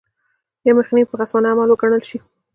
یا مخنیوی به خصمانه عمل وګڼل شي.